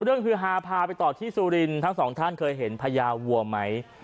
เรื่องคือหาผ่าไปต่อที่ซุรินทร์ทั้งสองท่านเคยเห็นพญาวัวไหม